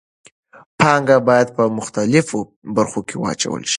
پانګه باید په مختلفو برخو کې واچول شي.